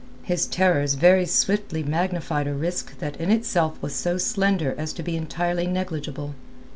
His terrors very swiftly magnified a risk that in itself was so slender as to be entirely negligible.